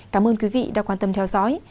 cảm ơn quý vị đã quan tâm theo dõi